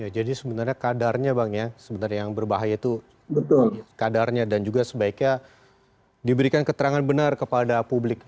sebenarnya kadarnya bang ya sebenarnya yang berbahaya itu kadarnya dan juga sebaiknya diberikan keterangan benar kepada publik